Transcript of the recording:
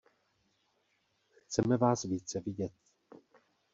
Chceme vás více vidět.